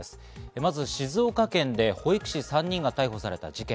まず静岡県で保育士３人が逮捕された事件。